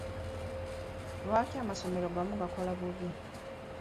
Lwaki amasomero agamu gakola bubi?